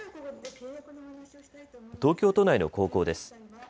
東京都内の高校です。